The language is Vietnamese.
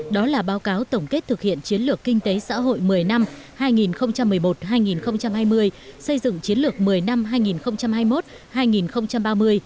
đó là báo cáo tổng kết thực hiện chiến lược kinh tế xã hội một mươi năm hai nghìn một mươi một hai nghìn hai mươi xây dựng chiến lược một mươi năm hai nghìn hai mươi một